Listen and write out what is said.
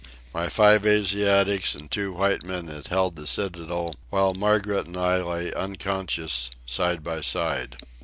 My five Asiatics and two white men had held the citadel while Margaret and I lay unconscious side by side.